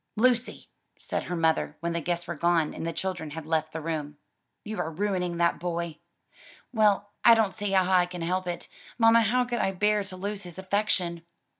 "Lucy," said her mother, when the guests were gone, and the children had left the room, "you are ruining that boy." "Well, I don't see how I can help it, mamma how could I bear to lose his affection?"